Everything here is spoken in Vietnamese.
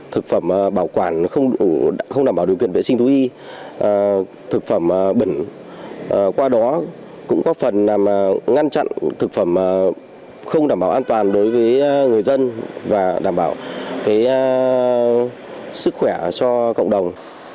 thực phẩm bảo quản không đảm bảo điều kiện vệ sinh thú y thực phẩm bẩn qua đó cũng có phần làm ngăn chặn thực phẩm không đảm bảo an toàn đối với người dân và đảm bảo sức khỏe cho cộng đồng